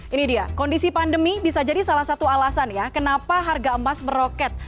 ini dia kondisi pandemi bisa jadi salah satu alasan ya kenapa harga emas meroket